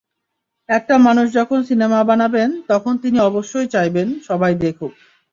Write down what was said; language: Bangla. একটা মানুষ যখন সিনেমা বানাবেন, তখন তিনি অবশ্যই চাইবেন, সবাই দেখুক।